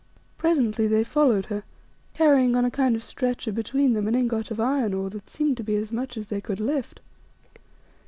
Presently they followed her, carrying on a kind of stretcher between them an ingot of iron ore that seemed to be as much as they could lift.